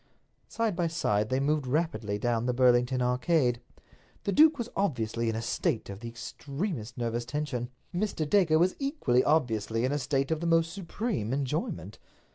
Side by side they moved rapidly down the Burlington Arcade. The duke was obviously in a state of the extremest nervous tension. Mr. Dacre was equally obviously in a state of the most supreme enjoyment.